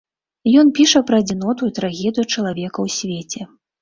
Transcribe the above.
Ён піша пра адзіноту і трагедыю чалавека ў свеце.